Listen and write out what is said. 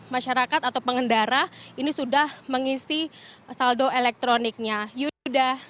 masyarakat atau pengendara ini sudah mengisi saldo elektroniknya yuda